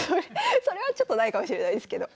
それはちょっとないかもしれないですけど。